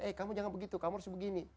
eh kamu jangan begitu kamu harus begini